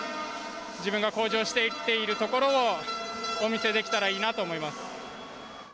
自分が向上していっているところをお見せできたらいいなと思います。